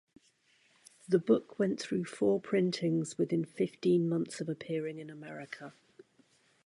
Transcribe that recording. The book went through four printings within fifteen months of appearing in America.